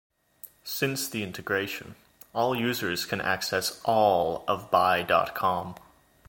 Since the integration, all users can access all of buy dot com.